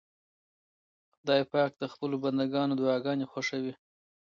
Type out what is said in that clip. خدای پاک د خپلو بندګانو دعاګانې خوښوي.